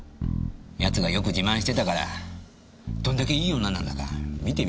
奴がよく自慢してたからどんだけいい女なんだか見てみたくて。